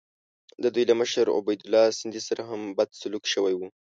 د دوی له مشر عبیدالله سندي سره هم بد سلوک شوی وو.